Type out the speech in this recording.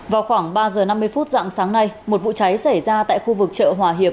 vào khoảng ba giờ năm mươi phút dạng sáng nay một vụ cháy xảy ra tại khu vực chợ hòa hiệp